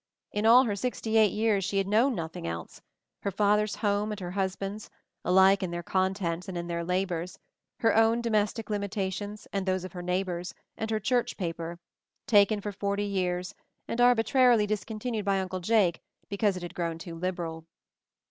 In all her sixty eight years she had known nothing else; her father's home and her husband's, alike in their contents and in their labors, her own domestic limitations, and those of her neighbors, and her church paper — taken for forty years, and arbitra rily discontinued by Uncle Jake because it had grown too liberal.